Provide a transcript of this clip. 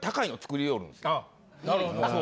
あなるほど。